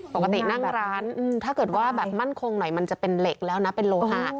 ปกตินั่งร้านถ้าเกิดว่าแบบมั่นคงหน่อยมันจะเป็นเหล็กแล้วนะเป็นโลหะ